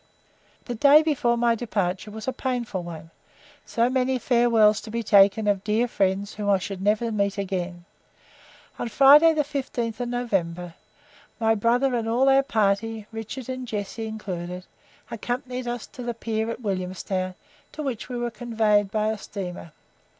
The day before my departure was a painful one, so many farewells to be taken of dear friends whom I should never meet again. On Friday, the 15th of November, my brother and all our party, Richard and Jessie included, accompanied us to the pier at Williamstown, to which we were conveyed by a steamer.